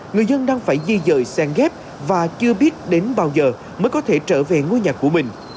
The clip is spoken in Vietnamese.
người dân đang phải di dời sen ghép và chưa biết đến bao giờ mới có thể trở về ngôi nhà của mình